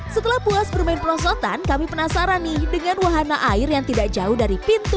setelah puas bermain perosotan kami penasaran nih dengan wahana air yang tidak jauh dari pintu